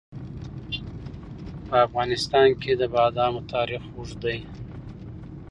په افغانستان کې د بادام تاریخ اوږد دی.